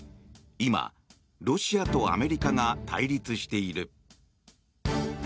今、ロシアとアメリカが対立している。